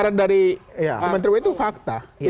surat edaran dari menteri w itu fakta